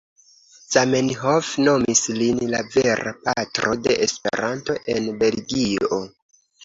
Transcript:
Zamenhof nomis lin "la vera patro de Esperanto en Belgio".